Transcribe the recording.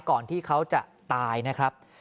ก่อนที่เขาจะตายนะครับ